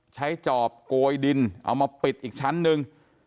จอบโกยดินเอามาปิดอีกชั้นหนึ่ง